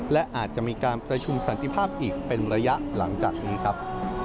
และอาจจะมีการประชุมสันติภาพอีกเป็นระยะหลังจากนี้ครับ